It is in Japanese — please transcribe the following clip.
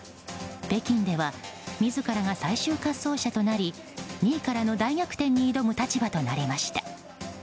北京では自らが最終滑走者となり２位からの大逆転に挑む立場となりました。